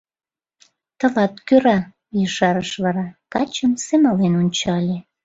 — Тылат кӧра... — ешарыш вара, качым семален ончале.